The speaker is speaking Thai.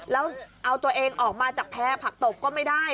แล้วเอาตัวเองออกมาจากแพร่ผักตบก็ไม่ได้